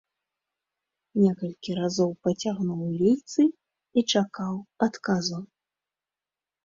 Некалькі разоў пацягнуў лейцы і чакаў адказу.